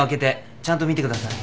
ちゃんと見てください。